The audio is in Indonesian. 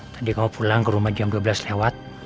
tadi kamu pulang ke rumah jam dua belas lewat